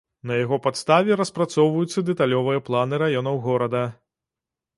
На яго падставе распрацоўваюцца дэталёвыя планы раёнаў горада.